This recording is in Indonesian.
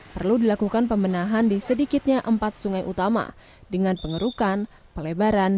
perlu dilakukan pembenahan di sedikitnya empat sungai utama dengan pengerukan pelebaran